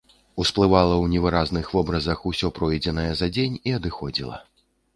Усплывала ў невыразных вобразах усё пройдзенае за дзень і адыходзіла.